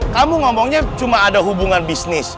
kamu ngomongnya cuma ada hubungan bisnis